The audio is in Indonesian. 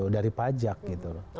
dari pajak gitu